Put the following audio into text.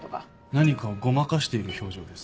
何かをごまかしている表情です。